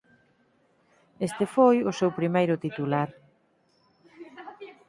Este foi o seu primeiro titular.